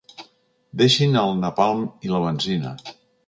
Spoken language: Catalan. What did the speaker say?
Deixin el napalm i la benzina.